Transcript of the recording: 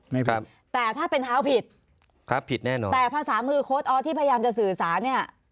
ไม่ผิดแต่ถ้าเป็นเท้าผิดแต่ภาษามือโค้ดอ๊อสที่พยายามจะสื่อสารเนี่ย